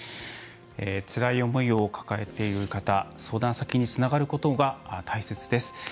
つらい思いを抱えている方相談先につながることが大切です。